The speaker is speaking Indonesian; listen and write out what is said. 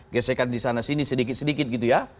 gesekan di sana sini sedikit sedikit gitu ya